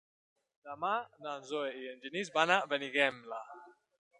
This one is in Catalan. Demà na Zoè i en Genís van a Benigembla.